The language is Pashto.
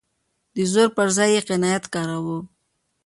د زور پر ځای يې قناعت کاراوه.